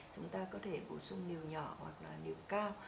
chúng ta có thể bổ sung nhiều nhỏ hoặc là liều cao